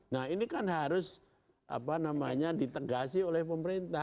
nah ini kan harus ditegasi oleh pemerintah